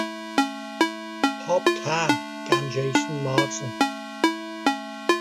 Pob cân gan Jason Martin.